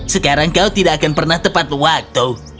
sekarang kau tidak akan pernah tepat waktu